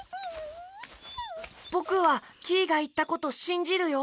ぼくはキイがいったことしんじるよ。